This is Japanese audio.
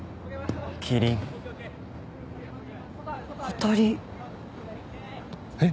キリン当たりえっ？